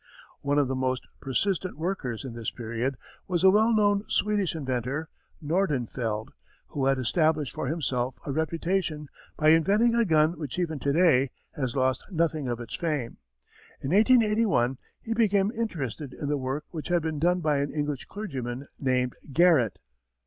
One of the most persistent workers in this period was a well known Swedish inventor, Nordenfeldt, who had established for himself a reputation by inventing a gun which even to day has lost nothing of its fame. In 1881 he became interested in the work which had been done by an English clergyman named Garret.